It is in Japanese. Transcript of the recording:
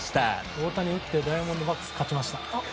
大谷が打ってダイヤモンドバックスが勝ちました。